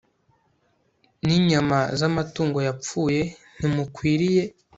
ninyama zamatungo yapfuye ntimukwiriye